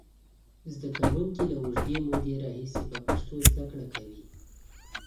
زده کوونکي له اوږدې مودې راهیسې په پښتو زده کړه کوي.